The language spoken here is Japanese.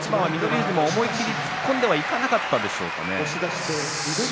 富士も思い切り突っ込んでいかなかったですか。